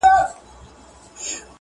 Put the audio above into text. چي په ښار او په مالت کي څه تیریږي!!.